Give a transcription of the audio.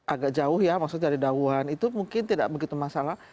agak jauh ya maksudnya dari dauhan itu mungkin tidak begitu masalah